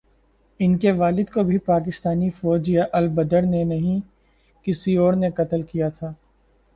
ان کے والد کو بھی پاکستانی فوج یا البدر نے نہیں، کسی اور نے قتل کیا تھا۔